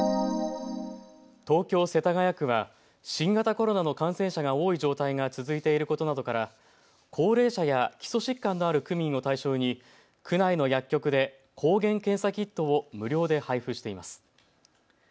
東京世田谷区は新型コロナの感染者が多い状態が続いていることなどから高齢者や基礎疾患のある区民を対象に区内の薬局で抗原検査キットを無料で配布しています。